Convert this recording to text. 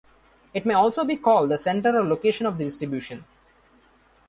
It may also be called a center or location of the distribution.